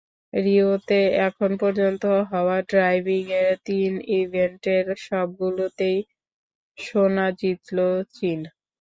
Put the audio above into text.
রিওতে এখন পর্যন্ত হওয়া ডাইভিংয়ের তিন ইভেন্টের সবগুলোতেই সোনা জিতল চীন।